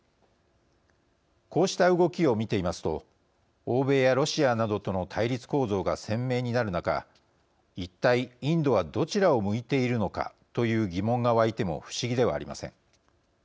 こうした動きを見ていますと欧米やロシアなどとの対立構造が鮮明になる中、一体インドはどちらを向いているのかという疑問が湧いても不思議ではありません。